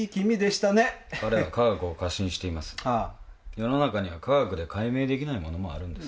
世の中には科学で解明できないものもあるんです。